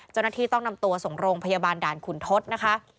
เจ้าหน้าที่ต้องนำตัวส่งโรงพยาบาลด่านขุนทศนะคะ